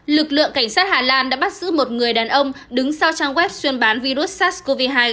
lực lượng cảnh sát hà lan đã bắt giữ một người đàn ông đứng sau trang web chuyên bán virus sars cov hai